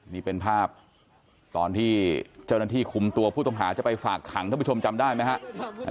นี่เป็นภาพตอนที่เจ้าหน้าที่คุมตัวผู้ต้องหาจะไปฝากขังท่านผู้ชมจำได้ไหมครับ